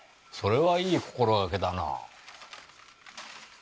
それはいい心がけだな。